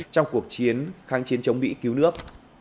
trong cuộc chiến kháng chiến chống mỹ cứu nước